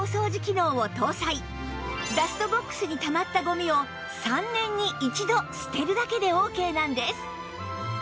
ダストボックスにたまったゴミを３年に１度捨てるだけでオーケーなんです